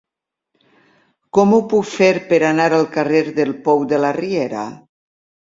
Com ho puc fer per anar al carrer del Pou de la Riera?